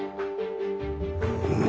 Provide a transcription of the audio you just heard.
うん。